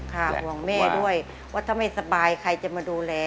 ห่วงแม่ด้วยว่าถ้าไม่สบายใครจะมาดูแล